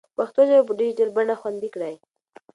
پښتو ژبه په ډیجیټل بڼه خوندي کړئ.